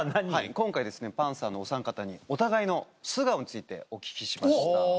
今回パンサーのおさん方にお互いの素顔についてお聞きしました。